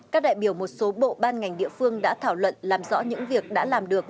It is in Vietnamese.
các đại biểu một số bộ ban ngành địa phương đã thảo luận làm rõ những việc đã làm được